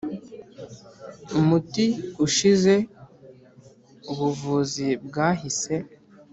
umuti ushize, ubuvuzi bwahise